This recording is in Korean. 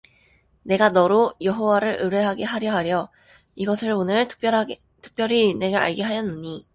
내가 너로 여호와를 의뢰하게 하려 하여 이것을 오늘 특별히 네게 알게 하였노니